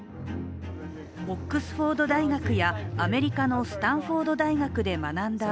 オックスフォード大学やアメリカのスタンフォード大学で学んだ